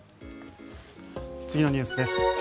次のニュースです。